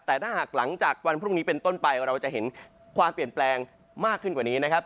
แต่ถ้าหากหลังจากวันพรุ่งนี้เป็นต้นไปเราจะเห็นความเปลี่ยนแปลงมากขึ้นกว่านี้นะครับ